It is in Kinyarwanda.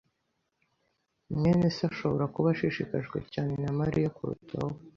mwene se ashobora kuba ashishikajwe cyane na Mariya kuruta wowe.